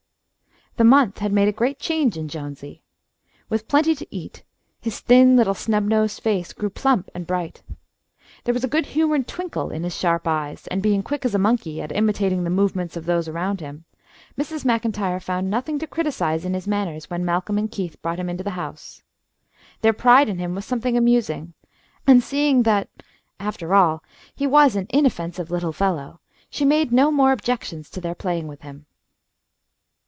The month had made a great change in Jonesy. With plenty to eat, his thin little snub nosed face grew plump and bright. There was a good humoured twinkle in his sharp eyes, and being quick as a monkey at imitating the movements of those around him, Mrs. MacIntyre found nothing to criticise in his manners when Malcolm and Keith brought him into the house. Their pride in him was something amusing, and seeing that, after all, he was an inoffensive little fellow, she made no more objections to their playing with him.